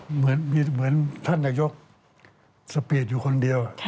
เหมือนท่านนายกสปีดอยู่คนเดียว